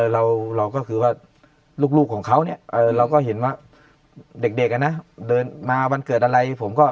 เราก็คือว่าลูกของเขาเนี่ยเราก็เห็นว่าเด็กเดินมาวันเกิดอะไรผมก็